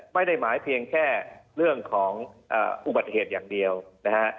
ไม่ได้หมายเพียงแค่เรื่องของอุบัติเหตุอย่างเดียวนะฮะ